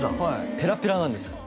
ペラペラなんです